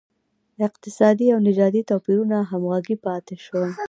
اقتصادي او نژادي توپیرونه همغږي پاتې شول.